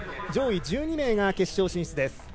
上位１２名が決勝進出です。